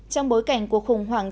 trong bối cảnh của khủng hoảng